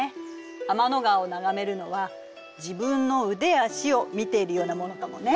天の川を眺めるのは自分の腕や足を見ているようなものかもね。